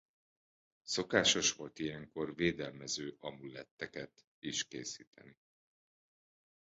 Szokásos volt ilyenkor védelmező amuletteket is készíteni.